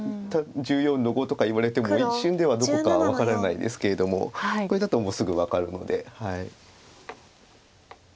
１４の五とか言われても一瞬ではどこか分からないですけれどもこれだともうすぐ分かるので。